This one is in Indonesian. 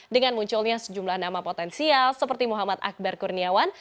dengan munculnya sejumlah nama potensial seperti muhammad akbar kurniawan